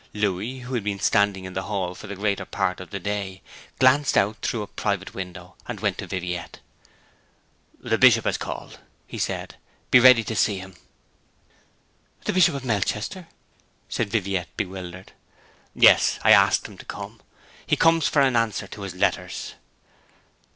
Louis, who had been standing in the hall the greater part of that day, glanced out through a private window, and went to Viviette. 'The Bishop has called,' he said. 'Be ready to see him.' 'The Bishop of Melchester?' said Viviette, bewildered. 'Yes. I asked him to come. He comes for an answer to his letters.'